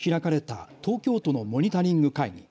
きょう開かれた東京都のモニタリング会議。